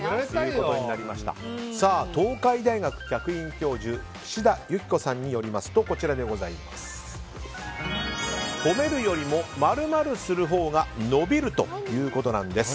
東海大学客員教授の岸田雪子さんによりますと褒めるよりも○○するほうが伸びるということなんです。